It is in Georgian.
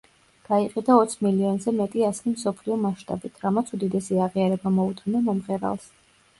გაიყიდა ოც მილიონზე მეტი ასლი მსოფლიო მასშტაბით, რამაც უდიდესი აღიარება მოუტანა მომღერალს.